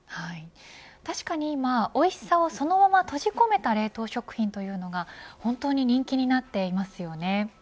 確かに今おいしさをそのまま閉じ込めた冷凍食品というのが、本当に人気になっていますよね。